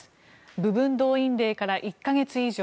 部分動員令から１か月以上。